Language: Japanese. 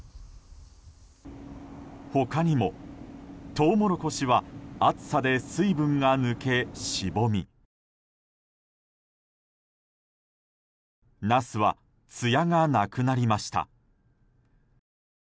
他にもトウモロコシは暑さで水分が抜け、しぼみナスはつやがなくなりました。